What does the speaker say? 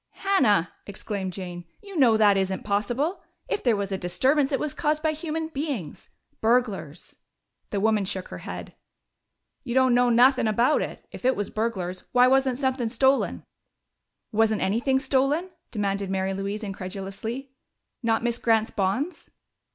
"Hannah!" exclaimed Jane. "You know that isn't possible. If there was a disturbance, it was caused by human beings. Burglars." The woman shook her head. "You don't know nuthin' about it! If it was burglars, why wasn't somethin' stolen?" "Wasn't anything stolen?" demanded Mary Louise incredulously. "Not Miss Grant's bonds?"